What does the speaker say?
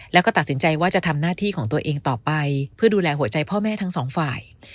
แล้วก็ตัดสินใจว่าจะทำหน้าที่ของตัวเองต่อไปเพื่อดูแลหัวใจพ่อแม่ทั้งสองฝ่าย